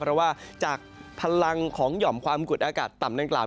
เพราะว่าจากพลังของหย่อมความกดอากาศต่ำดังกล่าว